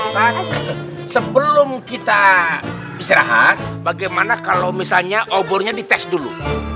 nah sebelum kita istirahat bagaimana kalau misalnya obornya dites dulu